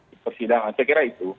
di persidangan saya kira itu